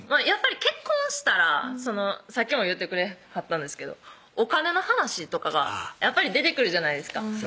やっぱり結婚したらさっきも言ってくれはったんですけどお金の話とかがやっぱり出てくるじゃないですか